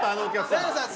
大悟さん